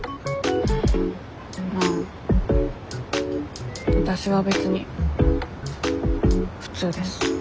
まあわたしは別に普通です。